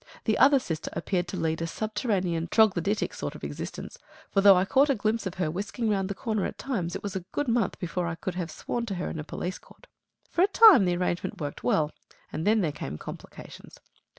The other sister appeared to lead a subterranean troglodytic sort of existence; for, though I caught a glimpse of her whisking round the corner at times, it was a good month before I could have sworn to her in a police court. For a time the arrangement worked well, and then there came complications.